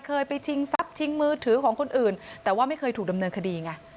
เคยไปชิงทรัพย์ชิงมือถือของคนอื่นแต่ว่าไม่เคยถูกดำเนินคดีไง